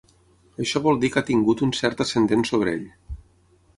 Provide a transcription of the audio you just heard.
Això vol dir que ha tingut un cert ascendent sobre ell.